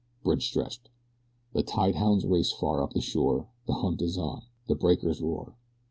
Bridge stretched. The tide hounds race far up the shore the hunt is on! The breakers roar!